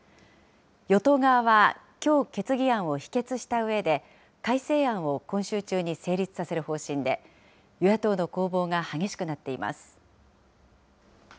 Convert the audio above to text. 与党側は、きょう、決議案を否決したうえで、改正案を今週中に成立させる方針で、与野党の攻防が激しくなっています。